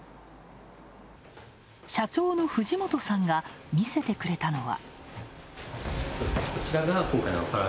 社長の藤本さんが見せてくれたのは。